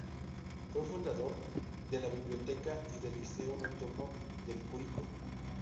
Fue fundador de la Biblioteca y del Liceo Nocturno de Curicó.